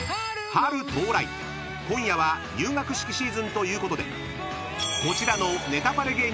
［春到来今夜は入学式シーズンということでこちらの『ネタパレ』